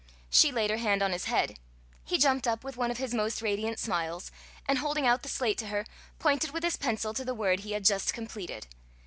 She laid her hand on his head. He jumped up with one of his most radiant smiles, and holding out the slate to her, pointed with his pencil to the word he had just completed.